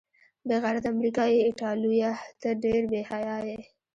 بې غیرته امریکايي ایټالویه، ته ډېر بې حیا یې.